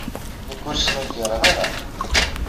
Nekk ur snagareɣ ara.